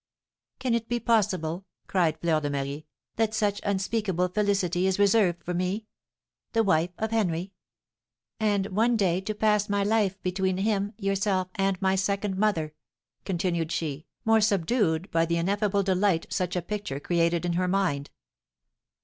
"Can it be possible," cried Fleur de Marie, "that such unspeakable felicity is reserved for me? The wife of Henry. And one day to pass my life between him yourself and my second mother!" continued she, more subdued by the ineffable delight such a picture created in her mind.